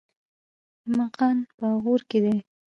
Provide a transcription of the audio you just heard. ایماقان په غور کې دي؟